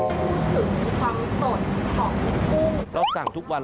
รู้สึกความสดห่อมลูกกุ้ง